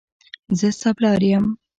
زه ستا پلار یم.